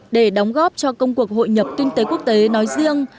để đóng góp cho công cuộc hội nhập kinh tế quốc tế nói riêng